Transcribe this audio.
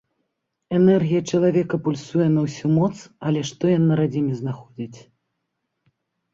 Энергія чалавека пульсуе на ўсю моц, але што ён на радзіме знаходзіць?